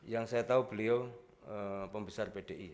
yang saya tahu beliau pembesar pdi